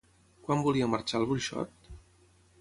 Quan volia marxar el bruixot?